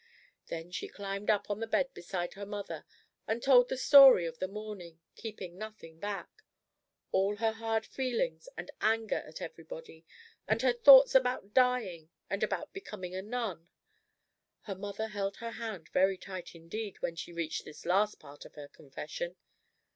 Then she climbed up on the bed beside her mother, and told the story of the morning, keeping nothing back all her hard feelings and anger at everybody, and her thoughts about dying, and about becoming a nun. Her mother held her hand very tight indeed when she reached this last part of the confession.